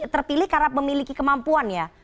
terpilih karena memiliki kemampuan ya